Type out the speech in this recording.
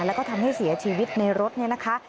แล้วก็ทำให้เสียชีวิตในรถเนี่ยนะคะ